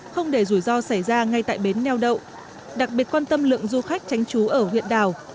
không để rủi ro xảy ra ngay tại bến neo đậu đặc biệt quan tâm lượng du khách tránh trú ở huyện đảo